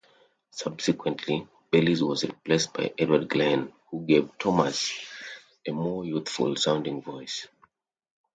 Subsequently, Bellis was replaced by Edward Glen, who gave Thomas a more youthful-sounding voice.